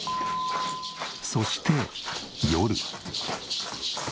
そして夜。